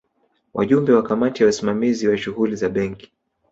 Wajumbe wa Kamati ya Usimamizi wa Shughuli za Benki